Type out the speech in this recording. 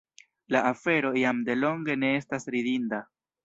la afero jam delonge ne estas ridinda.